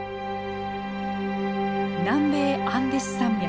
南米アンデス山脈。